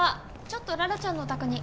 ちょっと羅羅ちゃんのお宅に。